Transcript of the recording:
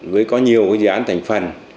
với có nhiều cái dự án thành phần